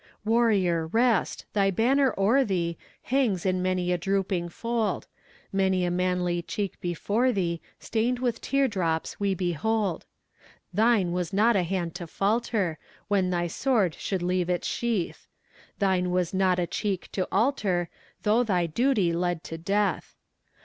Warrior, rest! thy banner o'er thee Hangs in many a drooping fold; Many a manly cheek before thee Stain'd with tear drops we behold. Thine was not a hand to falter When thy sword should leave its sheath: Thine was not a cheek to alter, Though thy duty led to death!